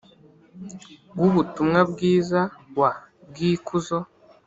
w ubutumwa bwiza w bw ikuzo